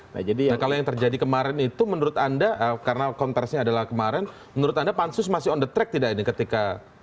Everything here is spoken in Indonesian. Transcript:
nah kalau yang terjadi kemarin itu menurut anda karena kontesnya adalah kemarin menurut anda pansus masih on the track tidak ini ketika